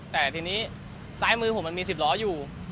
แต่ทีนี้ซ้ายมือผมมันมี๑๐ล้ออยู่